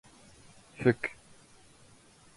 ⴼⴽ